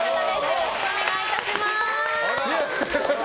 よろしくお願いします。